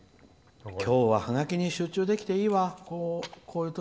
きょうはハガキに集中できていいわ。